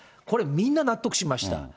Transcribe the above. これ、みんな納得しました。